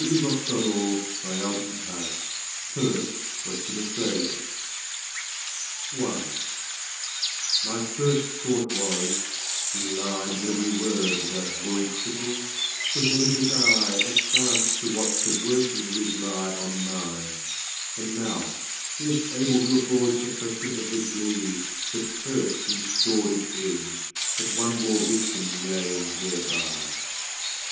"CHILDE ROLAND TO THE DARK TOWER CAME" (See Edgar's song in Lear) My first thought was, he lied in every word, That hoary cripple, with malicious eye Askance to watch the working of his lie On mine, and mouth scarce able to afford Suppression of the glee, that pursed and scored 5 Its edge, at one more victim gained thereby.